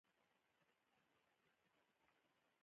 د خبرو قوت د عقل نښه ده